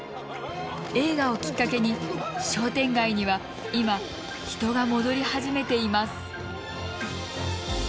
映画をきっかけに商店街には今、人が戻り始めています。